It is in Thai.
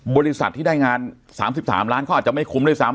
บริษัทที่ได้งาน๓๓ล้านเขาอาจจะไม่คุ้มด้วยซ้ำ